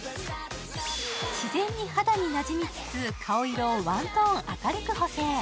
自然に肌になじみつつ、顔色をワントーン明るく補正。